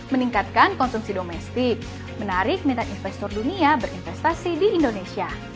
meningkatkan konsumsi domestik menarik minat investor dunia berinvestasi di indonesia